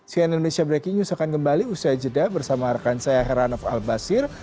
cnn indonesia breaking news akan kembali usai jeda bersama rekan saya heranof albasir